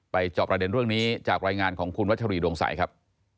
จอบประเด็นเรื่องนี้จากรายงานของคุณวัชรีดวงใสครับ